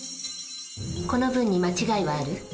この文に間違いはある？